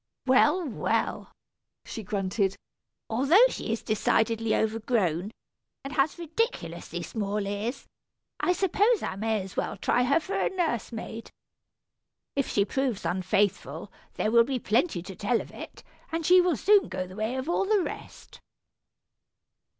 "Well, well," she grunted, "although she is decidedly overgrown, and has ridiculously small ears, I suppose I may as well try her for a nurse maid. If she proves unfaithful, there will be plenty to tell of it, and she will soon go the way of all the rest."